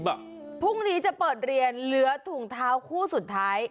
พรุ่งนี้จะเปิดเรียนเหลือถุงเท้าคู่สุดท้าย